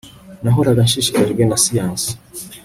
Nahoraga nshishikajwe na siyansi